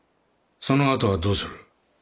そのあとはどうする？